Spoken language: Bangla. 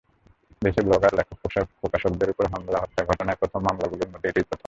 দেশে ব্লগার, লেখক-প্রকাশকদের ওপর হামলা-হত্যার ঘটনায় হওয়া মামলাগুলোর মধ্যে এটিই প্রথম রায়।